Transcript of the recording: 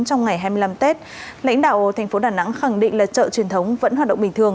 trong ngày hai mươi năm tết lãnh đạo thành phố đà nẵng khẳng định là chợ truyền thống vẫn hoạt động bình thường